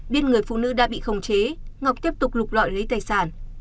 biết người phụ nữ đã bị khống chế ngọc tiếp tục lục loại lấy tài sản